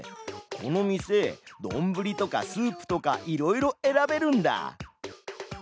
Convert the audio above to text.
この店どんぶりとかスープとかいろいろえらべるんだ！